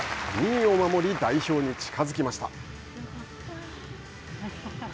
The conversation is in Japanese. ２位を守り代表に近づきました。